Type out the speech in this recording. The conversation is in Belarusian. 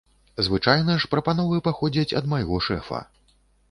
Звычайна ж прапановы паходзяць ад майго шэфа.